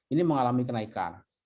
ini mengalami kenaikan